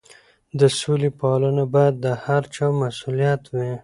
د سولې پالنه باید د هر چا مسؤلیت وي.